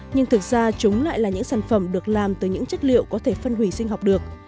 nhưng thực ra chúng lại là những sản phẩm được làm từ những chất liệu có thể phân hủy sinh học được